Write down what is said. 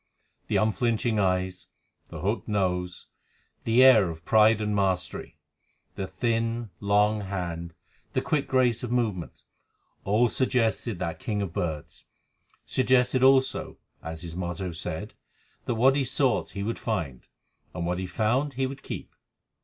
The unflinching eyes, the hooked nose, the air of pride and mastery, the thin, long hand, the quick grace of movement, all suggested that king of birds, suggested also, as his motto said, that what he sought he would find, and what he found he would keep.